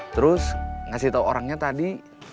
terus ngasih tau orangnya tadi